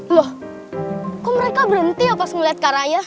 loh kok mereka berhenti pas ngeliat kak raya